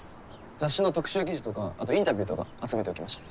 雑誌の特集記事とかあとインタビューとか集めておきました。